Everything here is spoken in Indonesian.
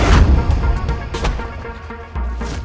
ia rupanya wivescheek antara tadi